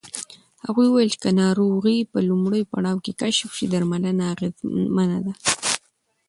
هغې وویل که ناروغي په لومړي پړاو کې کشف شي، درملنه اغېزمنه ده.